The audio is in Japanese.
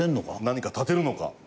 何かたてるのか？